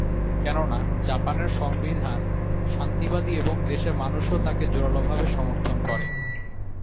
কেননা, জাপানের সংবিধান শান্তিবাদী এবং দেশের মানুষও তাকে জোরালোভাবে সমর্থন করে।